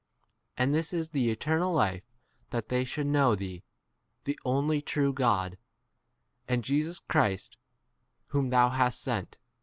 And this is the c eternal life, that they should know thee, the only true God, and Jesus 4 Christ whom thou hast sent.